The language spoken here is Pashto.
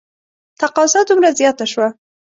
تقاضا دومره زیاته شوه.